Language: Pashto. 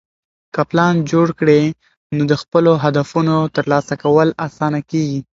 که پلان جوړ کړې، نو د خپلو هدفونو ترلاسه کول اسانه کېږي.